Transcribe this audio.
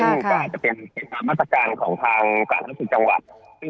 อาจจะเป็นเหตุผลมาทรรจักรของทางศาสตร์เชื้อจังหวัด